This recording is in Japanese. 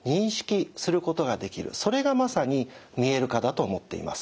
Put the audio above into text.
それがまさに「見える化」だと思っています。